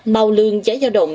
màu lương giá giao động